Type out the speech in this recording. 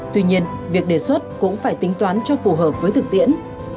tuy nhiên việc đề xuất cũng phải tính toán cho phù hợp với thực tiễn